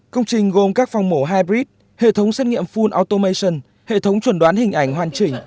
công trình gồm các phòng mổ hybrid hệ thống xét nghiệm full automation hệ thống chuẩn đoán hình ảnh hoàn chỉnh